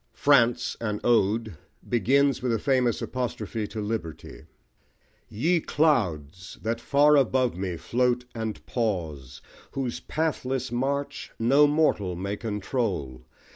France, an Ode, begins with a famous apostrophe to Liberty Ye Clouds! that far above me float and pause, Whose pathless march no mortal may control!